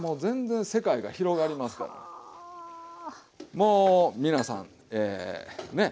もう皆さんえねっ。